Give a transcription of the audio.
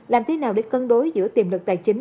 làm thế nào để cân đối giữa tiềm lực tài chính